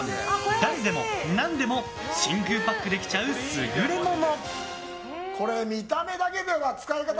誰でも何でも真空パックできちゃう優れもの。